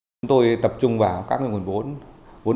chúng tôi tập trung vào các nguồn vốn